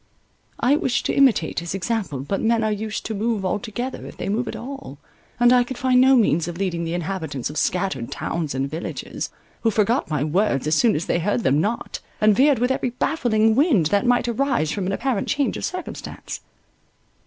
I wished to imitate his example, but men are used to —move all together, if they move at all, and I could find no means of leading the inhabitants of scattered towns and villages, who forgot my words as soon as they heard them not, and veered with every baffling wind, that might arise from an apparent change of circumstance.